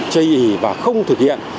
chây ý và không thực hiện